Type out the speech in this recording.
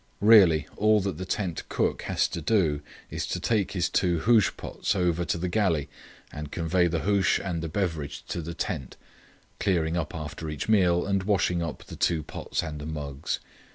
"Really, all that the tent cook has to do is to take his two hoosh pots over to the galley and convey the hoosh and the beverage to the tent, clearing up after each meal and washing up the two pots and the mugs.